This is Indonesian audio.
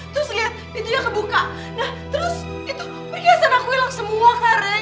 terus lihat pintunya kebuka nah terus itu perhiasan aku hilang semua karya